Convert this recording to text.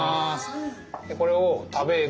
でこれを食べる。